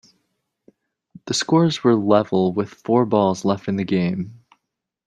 The scores were level with four balls left in the game.